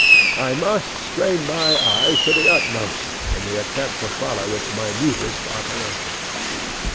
I must strain my eyes to the utmost, in the attempt to follow its minutest operation.